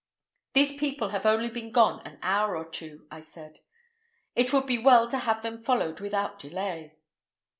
"These people have only been gone an hour or two," I said. "It would be well to have them followed without delay."